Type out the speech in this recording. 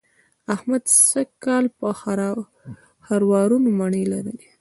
احمد سږ کال په خروارونو مڼې لرلې.